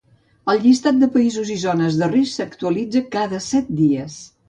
El llistat de països i zones de risc s’actualitza cada set dies.